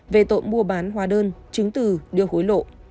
về tội mua bán hóa đơn chứng từ đưa hối lộ